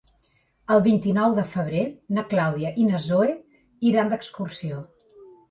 El vint-i-nou de febrer na Clàudia i na Zoè iran d'excursió.